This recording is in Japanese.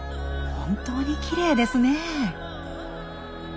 本当にきれいですねえ。